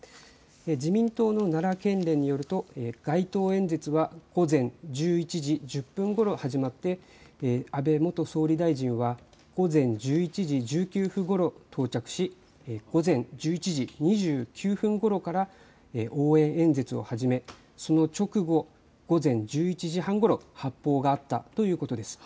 自民党の奈良県連によると街頭演説は午前１１時１０分ごろ始まって安倍元総理大臣は午前１１時１９分ごろ到着し午前１１時２９分ごろから応援演説を始め、その直後、午前１１時半ごろ、発砲があったということです。